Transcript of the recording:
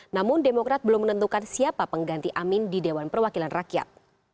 namun demokrat belum menentukan siapa pengganti amin di dewan perwakilan rakyat